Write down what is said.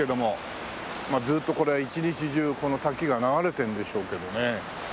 ずっとこれは一日中この滝が流れているんでしょうけどね。